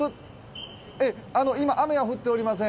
今、雨は降っておりません。